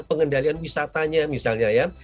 pengendalian wisatanya misalnya